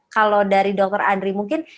kalau dari dr andri mungkin